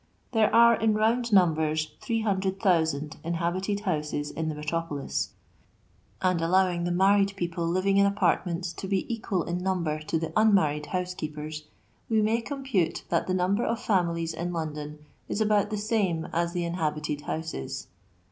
There are in round numbers 300,000 inhabited houses in the metropolis ; and allowing the married people living in apartments to be equal in number to the un married '' housekeepers," we may compute that the number of fomiliet in London is about the same as the inhabited houses.